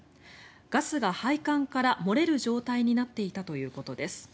ガスが配管から漏れる状態になっていたということです。